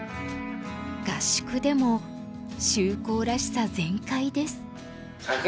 合宿でも秀行らしさ全開です。